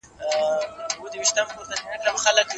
که ته هره ورځ څه زده کړې نو بریالی یې.